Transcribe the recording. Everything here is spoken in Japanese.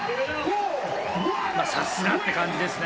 さすがって感じですね